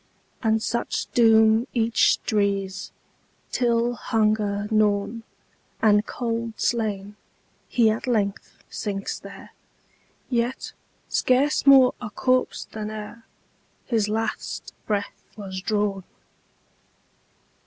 And such doom each drees, Till, hunger gnawn, And cold slain, he at length sinks there, Yet scarce more a corpse than ereHis last breath was drawn.